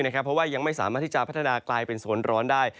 เพราะว่ายังไม่สามารถที่จะพัฒนากลายเป็นโซนร้อนได้